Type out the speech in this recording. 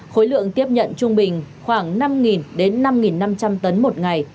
khối lượng tiếp nhận trung bình khoảng năm đến năm năm trăm linh tấn một ngày